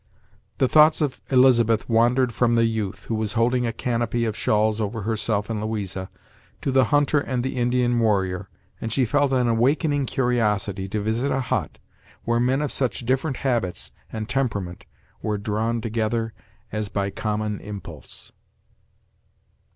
The thoughts of Elizabeth wandered from the youth, who was holding a canopy of shawls over herself and Louisa, to the hunter and the Indian warrior; and she felt an awakening curiosity to visit a hut where men of such different habits and temperament were drawn together as by common impulse.